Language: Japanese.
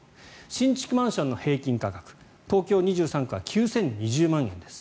新築マンションの平均価格東京２３区は９０２０万円です。